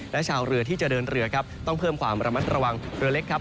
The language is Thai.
และชาวเรือที่จะเดินเรือครับต้องเพิ่มความระมัดระวังเรือเล็กครับ